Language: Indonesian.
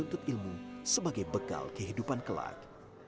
untuk setara dalam menuntut ilmu sebagai bekal kehidupan kelah